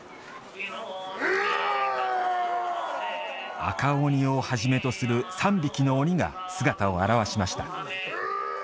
赤鬼をはじめとする３匹の鬼が姿を現しました。